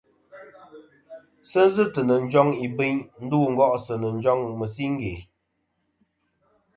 Sɨ zɨtɨ nɨ̀ njoŋ ìbɨyn ndu go'sɨ ǹ njoŋ mɨ̀siŋge.